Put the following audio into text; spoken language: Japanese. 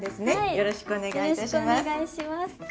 よろしくお願いします。